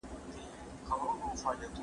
په لیکلو سره تېروتنې تر اورېدلو ژر سمېږي.